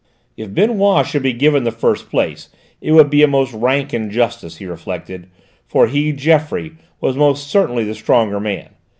If Benoît should be given the first place, it would be a rank injustice, he reflected, for he, Geoffroy, was most certainly the stronger man.